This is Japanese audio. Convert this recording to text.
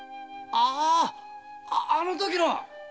あああの時の？